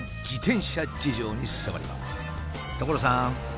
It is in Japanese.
所さん！